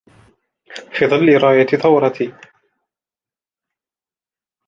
في ظل راية ثورتي